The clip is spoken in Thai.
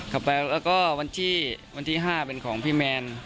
ขับไปแล้วก็วันที่วันที่๕เป็นของพี่แมน